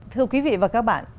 thưa quý vị và các bạn